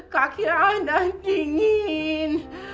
kaki anak dingin